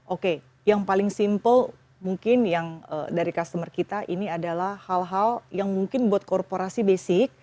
oke yang paling simple mungkin yang dari customer kita ini adalah hal hal yang mungkin buat korporasi basic